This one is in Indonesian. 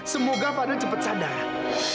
semoga fadil cepat sadar